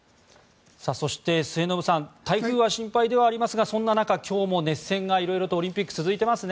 そして、末延さん台風が心配ではありますがそんな中、今日も熱戦がオリンピック続いていますね。